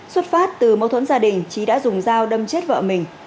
xuất phát từ mâu thuẫn gia đình trí đã dùng dao đâm chết vợ mình